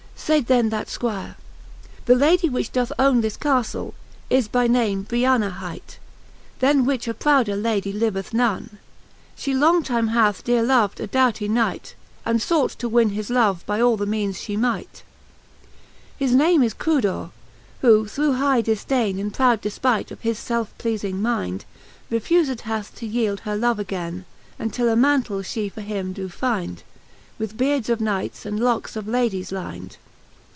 Sayd then that Squire: The Lady, which doth owne This Caftle, is by name Bftana hight; Then which a prouder Lady liveth none: She long time hath deare lov'd a doughtj^ Knight, 'And ibught to win his love by all the meanes fhe might. .XV, His I Cant. I. the Faerie Queene. 21 1 XV. His name is Crudor^ who through high difHaine And proud defpight of his felfe pleafing mynd, Refufed hath to yeeld her love againe, Untill a Mantle fhe for him doe fynd, With beards of Knights and locks of Ladies lynd